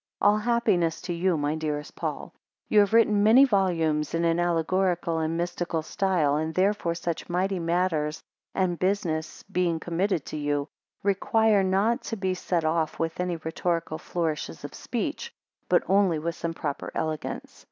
ALL happiness to you, my dearest Paul. 2 You have written many volumes in an allegorical and mystical style, and therefore such mighty matters and business being committed to you, require not to be set off with any rhetorical flourishes of speech, but only with some proper elegance.